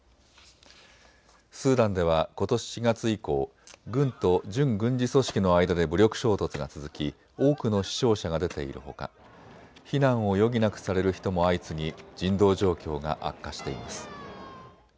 スーダンではことし４月以降、軍と準軍事組織の間で武力衝突が続き多くの死傷者が出ているほか避難を余儀なくされる人も相次ぎ人道状況が悪化しています。